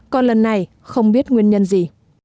còn lần này không biết nguyên nhân gì